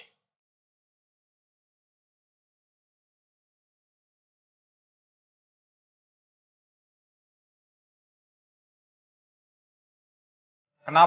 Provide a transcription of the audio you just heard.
jangan sedih sedih lagi